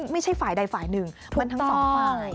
ไม่ใช่ฝ่ายใดฝ่ายหนึ่งมันทั้งสองฝ่าย